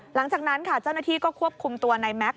หลังจากนั้นค่ะเจ้าหน้าที่ก็ควบคุมตัวในแม็กซ